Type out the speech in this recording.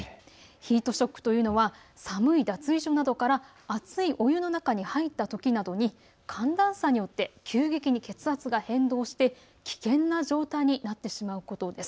ヒートショックというのは寒い脱衣所などから熱いお風呂に入ったときなどに寒暖差によって急激に血圧が変動して危険な状態になってしまうことです。